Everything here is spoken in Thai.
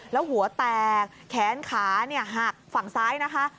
แล้วหัวแตกแขนขาหักฝั่งซ้ายนะคะ